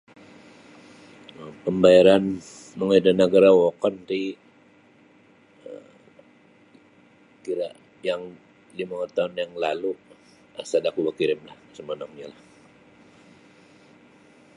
Pembayaran mongoi da nagara' wokon ti um kira' yang limo ngatoun yang lalu' sada' oku bakirimlah somonongnyo.